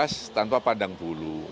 sekeras tanpa padang bulu